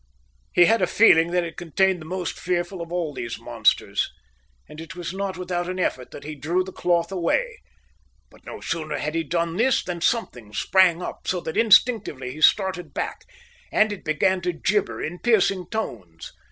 He had a feeling that it contained the most fearful of all these monsters; and it was not without an effort that he drew the cloth away. But no sooner had he done this than something sprang up, so that instinctively he started back, and it began to gibber in piercing tones.